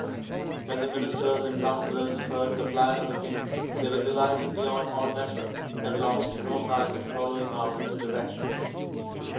When the ministers and counsellors heard the plan of the king they were delighted beyond all measure, and lost no time in following out his directions.